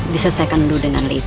disesaikan dulu dengan lady